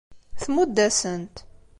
Tmudd-asen-t.